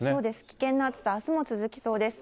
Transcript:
危険な暑さ、あすも続きそうです。